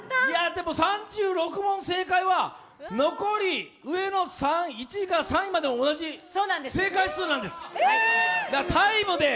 でも３６問正解は、残り上の１位から３位までと同じ正解数なんです。